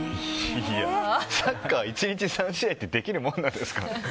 サッカー、１日３試合ってできるものなんですか？